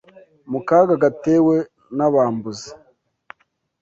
mu kaga gatewe n’abambuzi